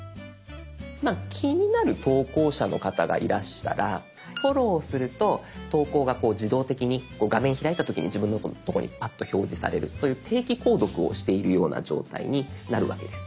気になる投稿者の方がいらしたらフォローすると投稿が自動的に画面開いた時に自分のとこにパッと表示されるそういう定期購読をしているような状態になるわけです。